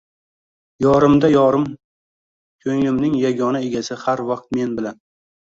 Yorimda yorim, ko`nglimning yagona egasi har vaqt men bilan